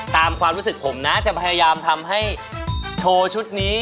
ความรู้สึกผมนะจะพยายามทำให้โชว์ชุดนี้